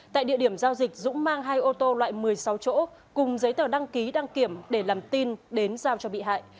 tại địa điểm giao dịch dũng mang hai ô tô loại một mươi sáu chỗ cùng giấy tờ đăng ký đăng kiểm để làm tin đến giao cho bị hại